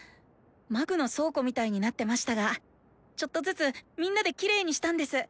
魔具の倉庫みたいになってましたがちょっとずつみんなでキレイにしたんです。